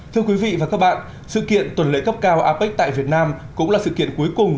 thưa quý vị và các bạn sự kiện tuần lễ cấp cao apec tại việt nam cũng là sự kiện cuối cùng